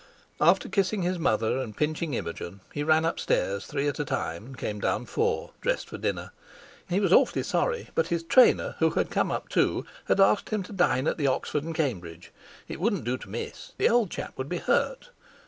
After kissing his mother and pinching Imogen, he ran upstairs three at a time, and came down four, dressed for dinner. He was awfully sorry, but his "trainer," who had come up too, had asked him to dine at the Oxford and Cambridge; it wouldn't do to miss—the old chap would be hurt.